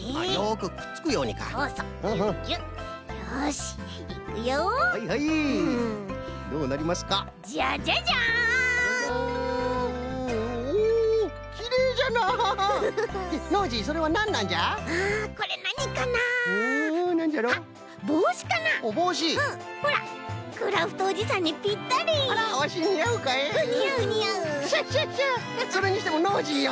それにしてもノージーよ